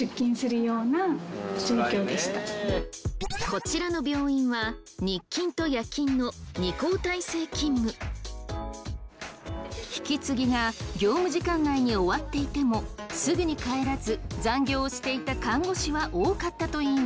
こちらの病院は引き継ぎが業務時間内に終わっていてもすぐに帰らず残業をしていた看護師は多かったといいます。